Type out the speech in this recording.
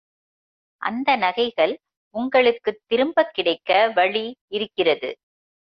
அந்த நகைகள் உங்களுக்குத் திரும்பக் கிடைக்க வழி இருக்கிறது.